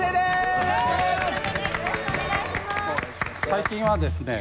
最近はですね